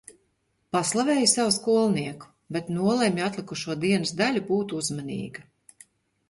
Paslavēju savu skolnieku, bet nolemju atlikušo dienas daļu būt uzmanīga.